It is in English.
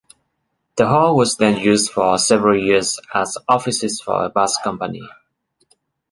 The Hall was then used for several years as offices for a bus company.